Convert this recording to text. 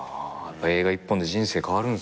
映画一本で人生変わるんすね。